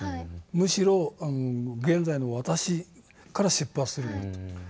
むしろ現在の私から出発するんだと。